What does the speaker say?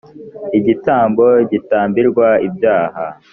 igitambo gitambirwa ibyaha